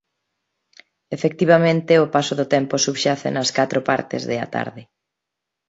Efectivamente, o paso do tempo subxace nas catro partes de A Tarde.